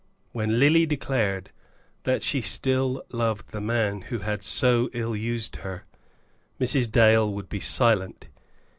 When Lily declared that she still loved the man who had so ill used her, Mrs. Dale would be silent.